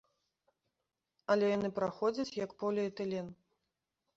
Але яны праходзяць як поліэтылен.